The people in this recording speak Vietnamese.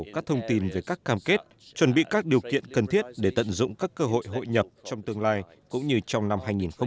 chuẩn bị các điều kiện cần thiết để tận dụng các cơ hội hội nhập trong tương lai cũng như trong năm hai nghìn một mươi sáu